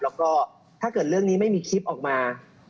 แล้วก็ถ้าเกิดเรื่องนี้ไม่มีคลิปออกมา